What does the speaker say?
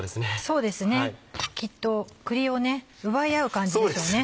そうですねきっと栗を奪い合う感じですよね。